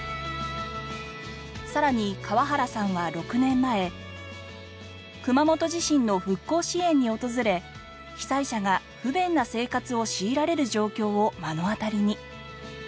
さらに河原さんは６年前熊本地震の復興支援に訪れ被災者が不便な生活を強いられる状況を目の当たりに。